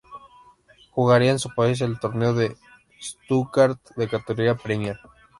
Jugaría en su país el torneo de Stuttgart de categoría Premier.